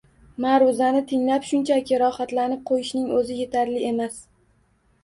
Ma’ruzani tinglab, shunchaki rohatlanib qo‘yishning o‘zi yetarli emas.